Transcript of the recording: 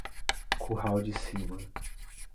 Curral de Cima